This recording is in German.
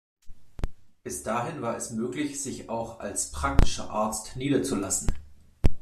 Bis dahin war es möglich, sich auch als "Praktischer Arzt" niederzulassen.